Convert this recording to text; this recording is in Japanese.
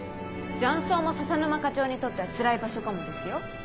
雀荘も笹沼課長にとってはつらい場所かもですよ。